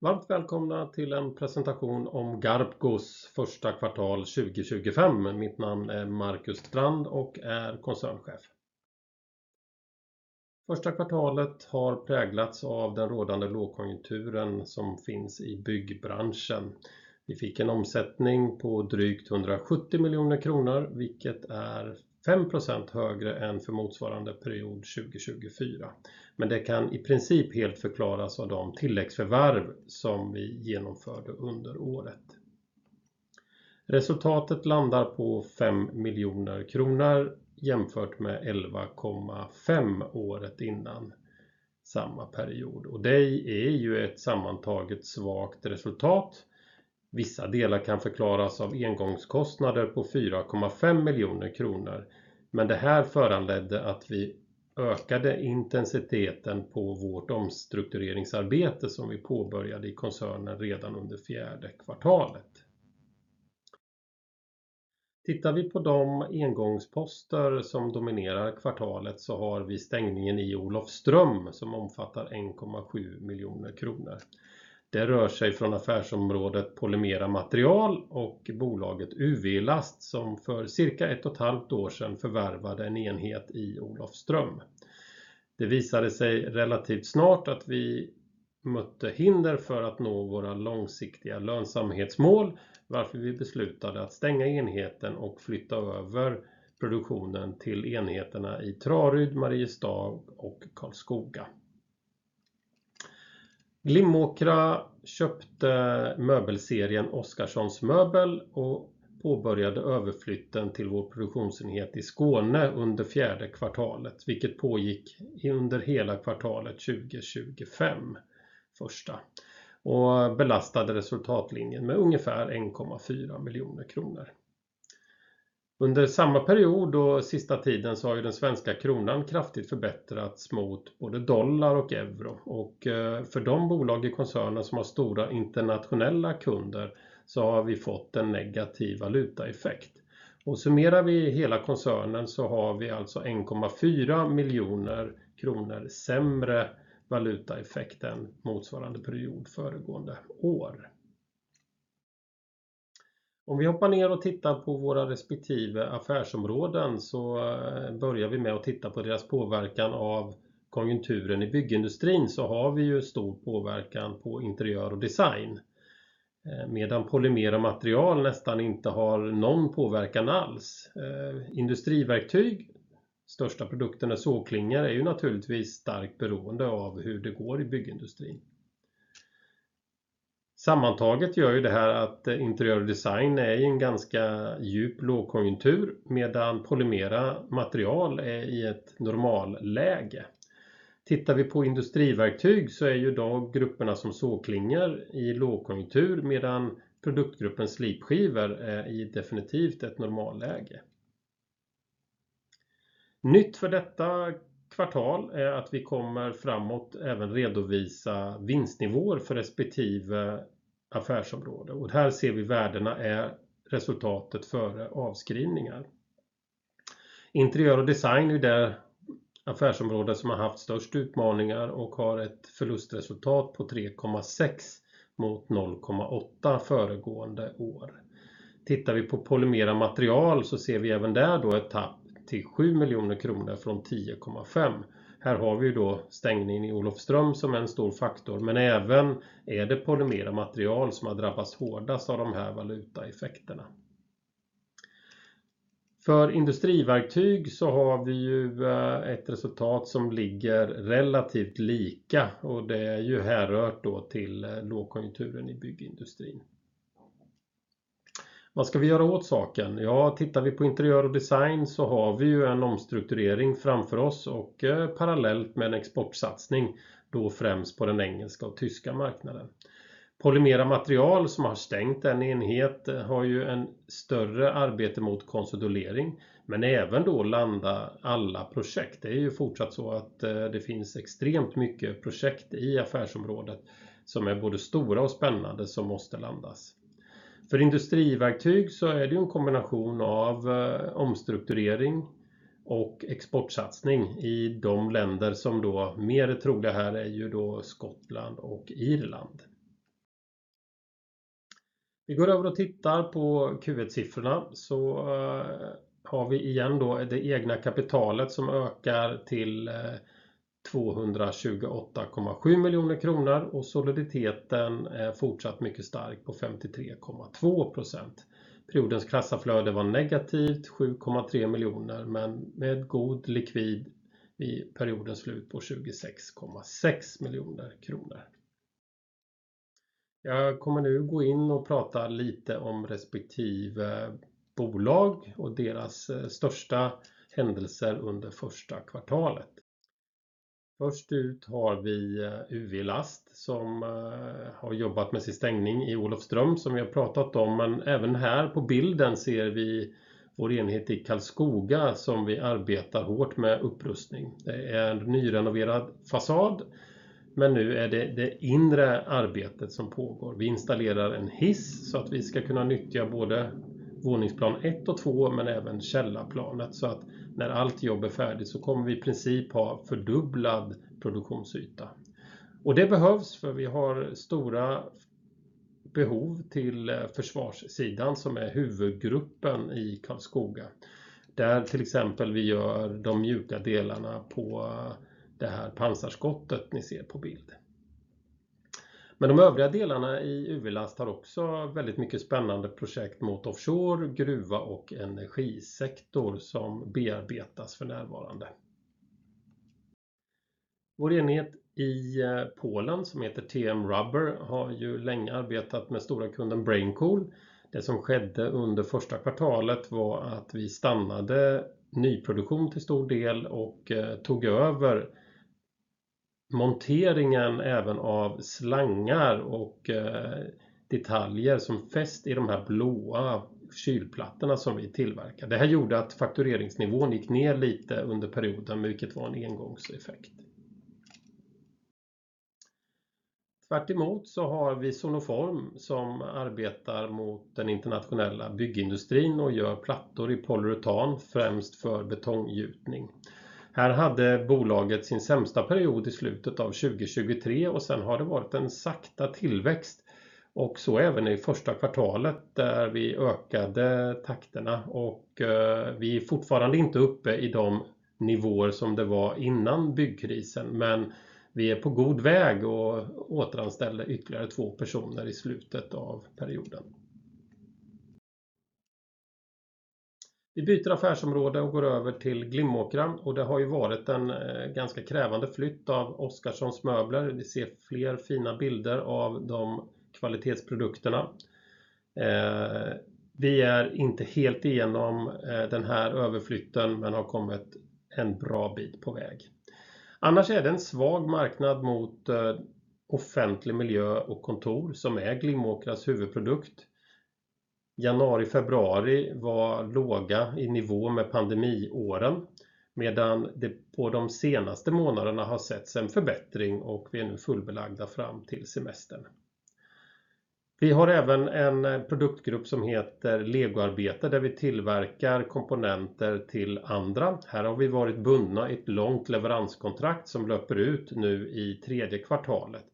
Varmt välkomna till en presentation om Garpcos första kvartal 2025. Mitt namn är Marcus Strand och är koncernchef. Första kvartalet har präglats av den rådande lågkonjunkturen som finns i byggbranschen. Vi fick en omsättning på drygt 170 miljoner kronor, vilket är 5% högre än för motsvarande period 2024. Men det kan i princip helt förklaras av de tilläggsförvärv som vi genomförde under året. Resultatet landar på 5 miljoner kronor, jämfört med 11,5 miljoner året innan samma period. Det är ju ett sammantaget svagt resultat. Vissa delar kan förklaras av engångskostnader på 4,5 miljoner kronor, men det här föranledde att vi ökade intensiteten på vårt omstruktureringsarbete som vi påbörjade i koncernen redan under fjärde kvartalet. Tittar vi på de engångsposter som dominerar kvartalet så har vi stängningen i Olofström som omfattar 1,7 miljoner kronor. Det rör sig från affärsområdet polymera material och bolaget UVlast som för cirka ett och ett halvt år sedan förvärvade en enhet i Olofström. Det visade sig relativt snart att vi mötte hinder för att nå våra långsiktiga lönsamhetsmål, varför vi beslutade att stänga enheten och flytta över produktionen till enheterna i Traryd, Mariestag och Karlskoga. Glimåkra köpte möbelserien Oskarssons möbel och påbörjade överflytten till vår produktionsenhet i Skåne under fjärde kvartalet, vilket pågick under hela kvartalet 2025 första och belastade resultatlinjen med ungefär 1,4 miljoner kronor. Under samma period och sista tiden så har ju den svenska kronan kraftigt förbättrats mot både dollar och euro, och för de bolag i koncernen som har stora internationella kunder så har vi fått en negativ valutaeffekt. Summerar vi hela koncernen så har vi alltså 1,4 miljoner kronor sämre valutaeffekt än motsvarande period föregående år. Om vi hoppar ner och tittar på våra respektive affärsområden så börjar vi med att titta på deras påverkan av konjunkturen i byggindustrin. Vi har stor påverkan på interiör och design, medan polymera material nästan inte har någon påverkan alls. Industriverktyg, största produkten är sågklingor, är naturligtvis starkt beroende av hur det går i byggindustrin. Sammantaget gör det här att interiör och design är i en ganska djup lågkonjunktur, medan polymera material är i ett normalläge. Tittar vi på industriverktyg så är idag grupperna som sågklingor i lågkonjunktur, medan produktgruppen slipskivor är i definitivt ett normalläge. Nytt för detta kvartal är att vi kommer framåt även redovisa vinstnivåer för respektive affärsområde, och här ser vi värdena är resultatet före avskrivningar. Interiör och design är det affärsområde som har haft störst utmaningar och har ett förlustresultat på 3,6 mot 0,8 föregående år. Tittar vi på polymera material så ser vi även där då ett tapp till 7 miljoner kronor från 10,5. Här har vi ju då stängningen i Olofström som är en stor faktor, men även är det polymera material som har drabbats hårdast av de här valutaeffekterna. För industriverktyg så har vi ju ett resultat som ligger relativt lika, och det är ju hänfört då till lågkonjunkturen i byggindustrin. Vad ska vi göra åt saken? Tittar vi på interiör och design så har vi ju en omstrukturering framför oss och parallellt med en exportsatsning, då främst på den engelska och tyska marknaden. Polymera material som har stängt en enhet har ju en större arbete mot konsolidering, men även då landa alla projekt. Det är ju fortsatt så att det finns extremt mycket projekt i affärsområdet som är både stora och spännande som måste landas. För industriverktyg så är det ju en kombination av omstrukturering och exportsatsning i de länder som då mer är troliga. Här är ju då Skottland och Irland. Vi går över och tittar på Q1-siffrorna, så har vi igen då det egna kapitalet som ökar till 228,7 miljoner kronor, och soliditeten är fortsatt mycket stark på 53,2%. Periodens kassaflöde var negativt 7,3 miljoner, men med god likvid vid periodens slut på 26,6 miljoner kronor. Jag kommer nu gå in och prata lite om respektive bolag och deras största händelser under första kvartalet. Först ut har vi UVlast som har jobbat med sin stängning i Olofström, som vi har pratat om, men även här på bilden ser vi vår enhet i Karlskoga som vi arbetar hårt med upprustning. Det är en nyrenoverad fasad, men nu är det det inre arbetet som pågår. Vi installerar en hiss så att vi ska kunna nyttja både våningsplan ett och två, men även källarplanet, så att när allt jobb är färdigt så kommer vi i princip ha fördubblad produktionsyta. Det behövs för vi har stora behov till försvarssidan som är huvudgruppen i Karlskoga, där till exempel vi gör de mjuka delarna på det här pansarskottet ni ser på bild. Men de övriga delarna i UVlast har också väldigt mycket spännande projekt mot offshore, gruva och energisektor som bearbetas för närvarande. Vår enhet i Polen som heter TM Rubber har ju länge arbetat med stora kunden Braincool. Det som skedde under första kvartalet var att vi stannade nyproduktion till stor del och tog över monteringen även av slangar och detaljer som fäst i de här blåa kylplattorna som vi tillverkar. Det här gjorde att faktureringsnivån gick ner lite under perioden, vilket var en engångseffekt. Tvärtom så har vi Sonoform som arbetar mot den internationella byggindustrin och gör plattor i polyuretan främst för betonggjutning. Här hade bolaget sin sämsta period i slutet av 2023, och sen har det varit en sakta tillväxt, och så även i första kvartalet där vi ökade takterna. Vi är fortfarande inte uppe i de nivåer som det var innan byggkrisen, men vi är på god väg och återanställer ytterligare två personer i slutet av perioden. Vi byter affärsområde och går över till Glimåkra, och det har ju varit en ganska krävande flytt av Oskarssons möbler. Ni ser fler fina bilder av de kvalitetsprodukterna. Vi är inte helt igenom den här överflytten, men har kommit en bra bit på väg. Annars är det en svag marknad mot offentlig miljö och kontor som är Glimåkras huvudprodukt. Januari och februari var låga i nivå med pandemiåren, medan det på de senaste månaderna har setts en förbättring, och vi är nu fullbelagda fram till semestern. Vi har även en produktgrupp som heter Legoarbetar, där vi tillverkar komponenter till andra. Här har vi varit bundna i ett långt leveranskontrakt som löper ut nu i tredje kvartalet.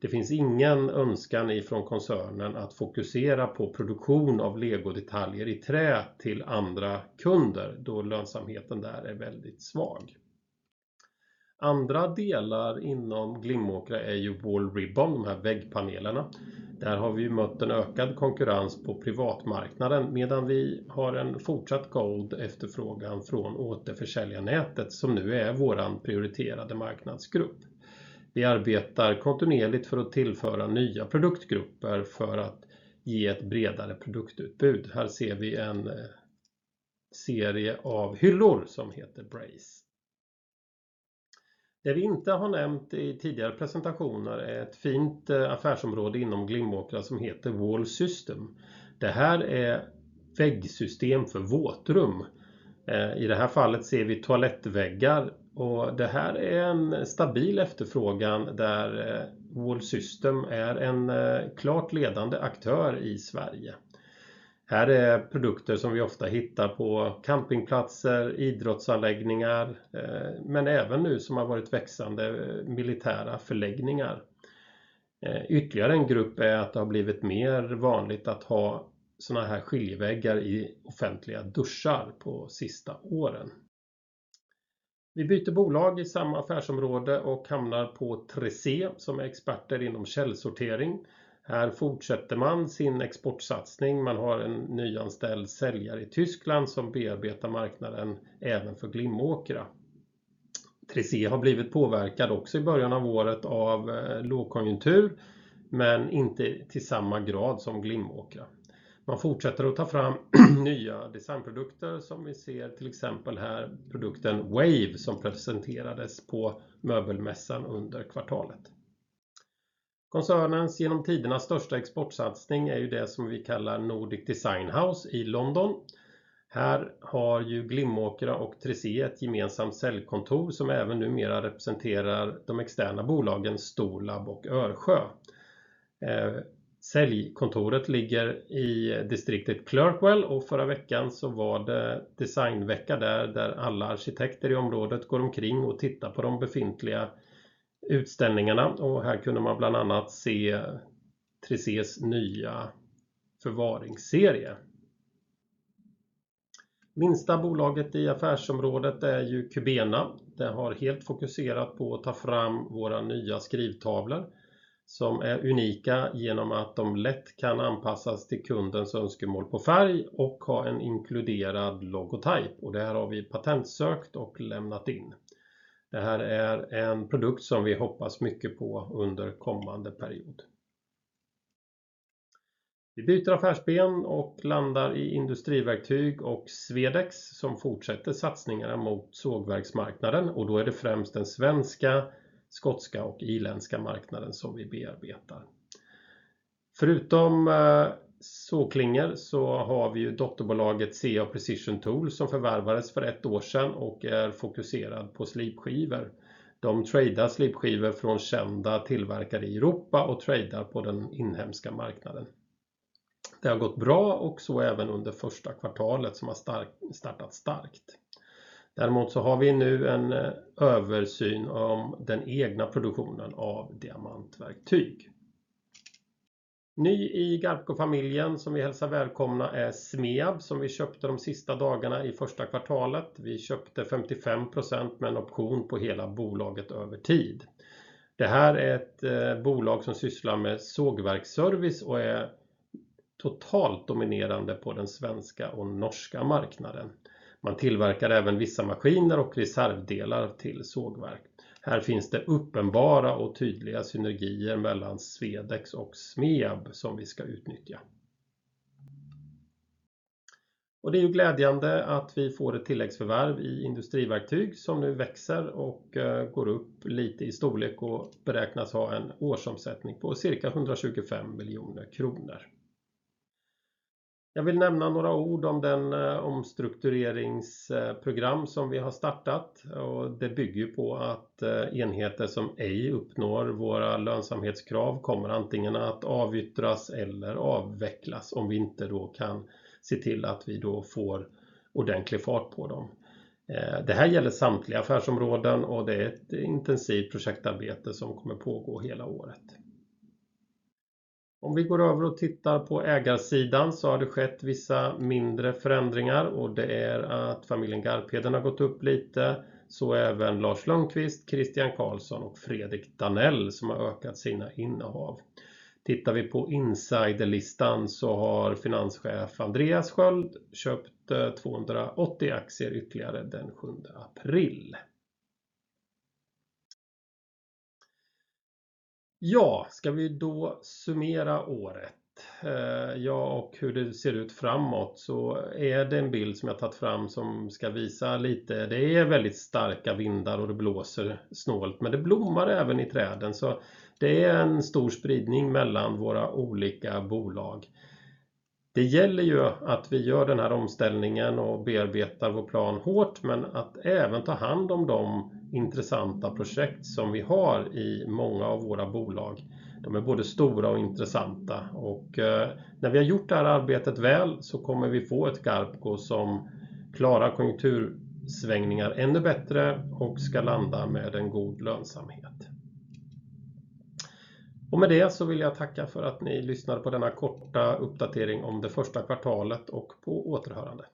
Det finns ingen önskan ifrån koncernen att fokusera på produktion av legodetaljer i trä till andra kunder, då lönsamheten där är väldigt svag. Andra delar inom Glimåkra är Wall Ribbon, de här väggpanelerna. Där har vi mött en ökad konkurrens på privatmarknaden, medan vi har en fortsatt god efterfrågan från återförsäljarnätet som nu är vår prioriterade marknadsgrupp. Vi arbetar kontinuerligt för att tillföra nya produktgrupper för att ge ett bredare produktutbud. Här ser vi en serie av hyllor som heter Brace. Det vi inte har nämnt i tidigare presentationer är ett fint affärsområde inom Glimåkra som heter Wall System. Det här är väggsystem för våtrum. I det här fallet ser vi toalettväggar, och det här är en stabil efterfrågan där Wall System är en klart ledande aktör i Sverige. Här är produkter som vi ofta hittar på campingplatser, idrottsanläggningar, men även nu som har varit växande militära förläggningar. Ytterligare en grupp är att det har blivit mer vanligt att ha såna här skiljeväggar i offentliga duschar på sista åren. Vi byter bolag i samma affärsområde och hamnar på 3C som är experter inom källsortering. Här fortsätter man sin exportsatsning. Man har en nyanställd säljare i Tyskland som bearbetar marknaden även för Glimåkra. 3C har blivit påverkad också i början av året av lågkonjunktur, men inte till samma grad som Glimåkra. Man fortsätter att ta fram nya designprodukter som vi ser till exempel här produkten Wave som presenterades på möbelmässan under kvartalet. Koncernens genom tiderna största exportsatsning är ju det som vi kallar Nordic Design House i London. Här har ju Glimåkra och 3C ett gemensamt säljkontor som även numera representerar de externa bolagen Stolab och Örsjö. Säljkontoret ligger i distriktet Clerkenwell, och förra veckan så var det designvecka där, där alla arkitekter i området går omkring och tittar på de befintliga utställningarna. Här kunde man bland annat se 3C:s nya förvaringsserie. Minsta bolaget i affärsområdet är ju Kubena. Det har helt fokuserat på att ta fram våra nya skrivtavlor som är unika genom att de lätt kan anpassas till kundens önskemål på färg och ha en inkluderad logotyp. Det här har vi patentsökt och lämnat in. Det här är en produkt som vi hoppas mycket på under kommande period. Vi byter affärsben och landar i Industriverktyg och Swedex som fortsätter satsningarna mot sågverksmarknaden, och då är det främst den svenska, skotska och irländska marknaden som vi bearbetar. Förutom sågklingor så har vi ju dotterbolaget CA Precision Tools som förvärvades för ett år sedan och är fokuserad på slipskivor. De tradar slipskivor från kända tillverkare i Europa och tradar på den inhemska marknaden. Det har gått bra, och så även under första kvartalet som har startat starkt. Däremot så har vi nu en översyn om den egna produktionen av diamantverktyg. Ny i Garpco-familjen som vi hälsar välkomna är Smeab som vi köpte de sista dagarna i första kvartalet. Vi köpte 55% med en option på hela bolaget över tid. Det här är ett bolag som sysslar med sågverksservice och är totalt dominerande på den svenska och norska marknaden. Man tillverkar även vissa maskiner och reservdelar till sågverk. Här finns det uppenbara och tydliga synergier mellan Swedex och Smeab som vi ska utnyttja. Det är ju glädjande att vi får ett tilläggsförvärv i Industriverktyg som nu växer och går upp lite i storlek och beräknas ha en årsomsättning på cirka 125 miljoner kronor. Jag vill nämna några ord om det omstruktureringsprogram som vi har startat, och det bygger ju på att enheter som ej uppnår våra lönsamhetskrav kommer antingen att avyttras eller avvecklas om vi inte då kan se till att vi då får ordentlig fart på dem. Det här gäller samtliga affärsområden, och det är ett intensivt projektarbete som kommer pågå hela året. Om vi går över och tittar på ägarsidan så har det skett vissa mindre förändringar, och det är att familjen Garpeden har gått upp lite, så även Lars Lundqvist, Christian Karlsson och Fredrik Danell som har ökat sina innehav. Tittar vi på insiderlistan så har Finanschef Andreas Sköld köpt 280 aktier ytterligare den 7 april. Ska vi då summera året och hur det ser ut framåt så är det en bild som jag har tagit fram som ska visa lite. Det är väldigt starka vindar och det blåser snålt, men det blommar även i träden, så det är en stor spridning mellan våra olika bolag. Det gäller att vi gör den här omställningen och bearbetar vår plan hårt, men att även ta hand om de intressanta projekt som vi har i många av våra bolag. De är både stora och intressanta, och när vi har gjort det här arbetet väl så kommer vi få ett Garpco som klarar konjunktursvängningar ännu bättre och ska landa med en god lönsamhet. Och med det så vill jag tacka för att ni lyssnade på denna korta uppdatering om det första kvartalet och på återhörande.